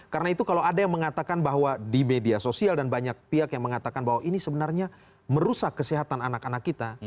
karena itu kalau ada yang mengatakan bahwa di media sosial dan banyak pihak yang mengatakan bahwa ini sebenarnya merusak kesehatan anak anak kita